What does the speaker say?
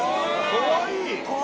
かわいい。